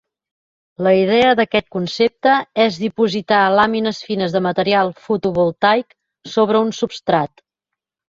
La idea d'aquest concepte és dipositar làmines fines de material fotovoltaic sobre un substrat.